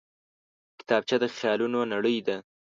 کتابچه د خیالونو نړۍ ده